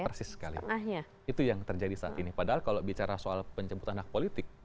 persis sekali itu yang terjadi saat ini padahal kalau bicara soal penjemputan anak politik